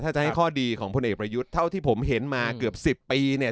ถ้าจะให้ข้อดีของพลเอกประยุทธ์เท่าที่ผมเห็นมาเกือบ๑๐ปีเนี่ย